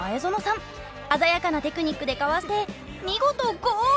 鮮やかなテクニックでかわして見事ゴール。